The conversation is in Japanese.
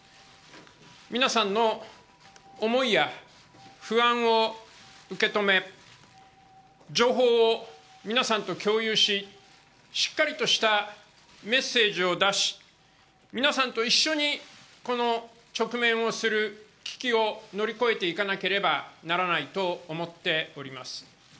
皆さんの思いや不安を受け止め、情報を皆さんと共有し、しっかりとしたメッセージを出し皆さんと一緒にこの直面をする危機を乗り越えていかなければならないと思っております。